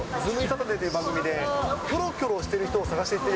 サタデーという番組で、キョロキョロしている人を探していて。